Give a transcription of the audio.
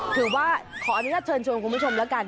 ขออนุญาตเชิญชวนคุณผู้ชมแล้วกัน